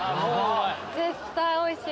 絶対おいしい！